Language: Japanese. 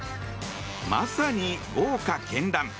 まさに豪華絢爛。